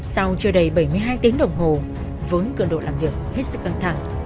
sau chưa đầy bảy mươi hai tiếng đồng hồ với cường độ làm việc hết sức căng thẳng